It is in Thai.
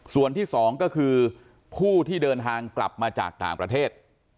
ส่วนที่๒ก็คือผู้ที่เดินทางกลับมาจากต่างประเทศ